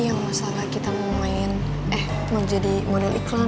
yang masalah kita mau main eh mau jadi model iklan